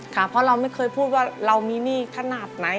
ค่ะเพราะเราไม่เคยพูดว่าเรามีหนี้ขนาดไหน